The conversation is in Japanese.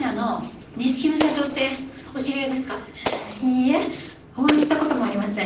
いいえお会いした事もありません。